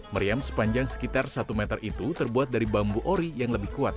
meriam sepanjang sekitar satu meter itu terbuat dari bambu ori yang lebih kuat